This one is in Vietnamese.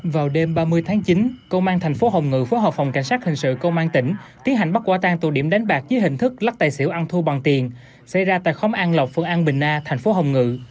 vào đêm ba mươi tháng chín công an thành phố hồng ngự phối hợp phòng cảnh sát hình sự công an tỉnh tiến hành bắt quả tang tụ điểm đánh bạc dưới hình thức lắc tài xỉu ăn thu bằng tiền xảy ra tại khóm an lộc phường an bình a thành phố hồng ngự